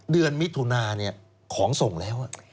เดือนมิถุนาเนี่ยของส่งแล้ว